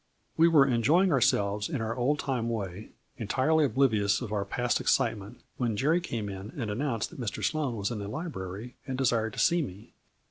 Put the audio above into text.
We were enjoying ourselves in our old time way, entirely oblivious of our past excite ment, when Jerry came in and announced that Mr. Sloane was in the library and desired to see me.